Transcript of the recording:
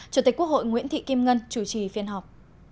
chủ tịch quốc hội nguyễn thị kim ngân chủ trì phiên họp